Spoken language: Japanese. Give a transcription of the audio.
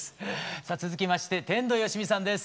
さあ続きまして天童よしみさんです。